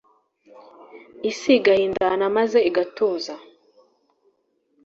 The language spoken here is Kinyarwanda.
isi igahindagana maze igatuza